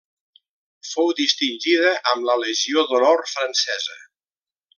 Fou distingida amb la Legió d’Honor francesa.